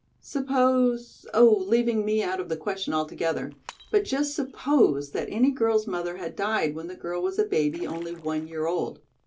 "Suppose, oh, leaving me out of the question altogether, but just suppose that any girl's mother had died when the girl was a baby only one year old.